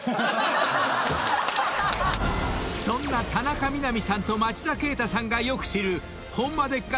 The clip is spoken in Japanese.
［そんな田中みな実さんと町田啓太さんがよく知るホンマでっか